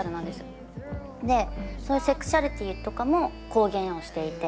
そういうセクシャリティーとかも公言をしていて。